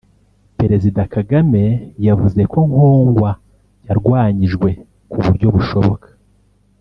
Perezida Kagame yavuze ko Nkongwa yarwanyijwe ku buryo bushoboka